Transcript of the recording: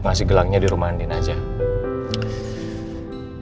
maaf yang terkes millet